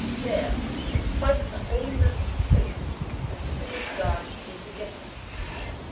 There, in spite of the holiness of the place, Antipater's guards came to get him.